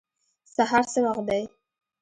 سهار څه وخت دی؟